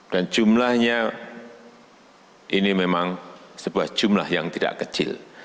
dan jumlahnya ini memang sebuah jumlah yang tidak kecil